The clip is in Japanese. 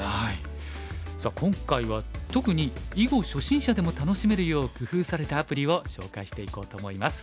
さあ今回は特に囲碁初心者でも楽しめるよう工夫されたアプリを紹介していこうと思います。